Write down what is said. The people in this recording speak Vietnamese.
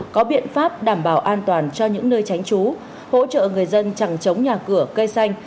có biện pháp đảm bảo an toàn cho những nơi tránh trú hỗ trợ người dân chẳng chống nhà cửa cây xanh